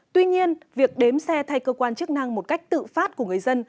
tuy nhiên việc đếm xe thay cơ quan chức năng một cách tự phát của người dân